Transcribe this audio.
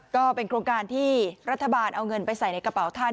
ก็เป็นโครงการที่รัฐบาลเอาเงินไปใส่ในกระเป๋าท่าน